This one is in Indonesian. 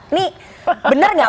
ini benar nggak